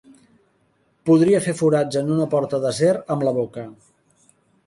Podria fer forats en una porta d'acer amb la boca.